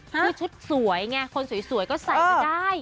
คือชุดสวยไงคนสวยก็ใส่มาได้